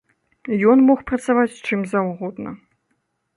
Ён мог працаваць з чым заўгодна.